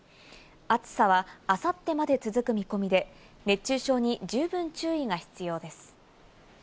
暑さは明後日まで続く見込みで、熱中症に十分注意が必要です。